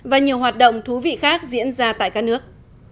và nhiều hoạt động thú vị khác diễn ra tại các nước